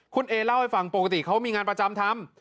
คุณเอเล่าให้ฟังปกติเขามีงานประจำทำ